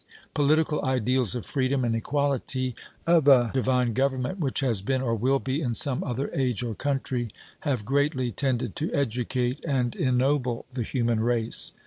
Political ideals of freedom and equality, of a divine government which has been or will be in some other age or country, have greatly tended to educate and ennoble the human race.